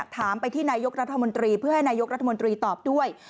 ถามไปที่นายกรัฐมนตรีเพื่อให้นายกรัฐมนตรีตอบด้วย